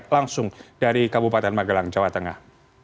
langsung dari kabupaten magelang jawa tengah